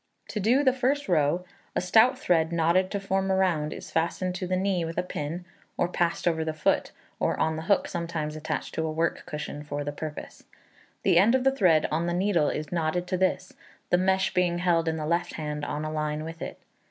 To do the first row, a stout thread, knotted to form a round, is fastened to the knee with a pin, or passed over the foot, or on the hook sometimes attached to a work cushion for the purpose. The end of the thread on the needle is knotted to this, the mesh being held in the left hand on a line with it.